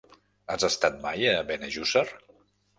Has estat mai a Benejússer?